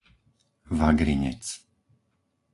Vagrinec